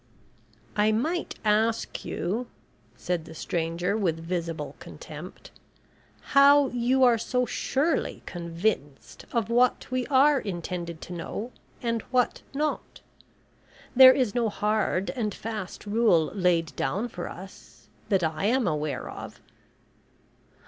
"I might ask you," said the stranger, with visible contempt, "how you are so surely convinced of what we are intended to know, and what not? There is no hard and fast rule laid down for us that I am aware of."